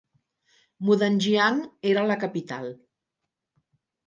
Mudanjiang era la capital.